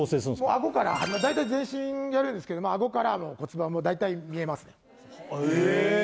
アゴから大体全身やるんですけどアゴから骨盤も大体見えますねへえ！